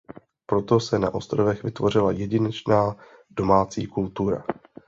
Proto se na ostrovech vytvořila jedinečná domácí kultura.